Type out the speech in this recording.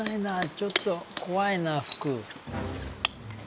ちょっと怖いな福。